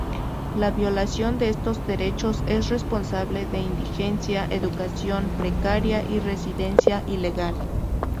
La violación de estos derechos es responsable de indigencia, educación precaria y residencia ilegal.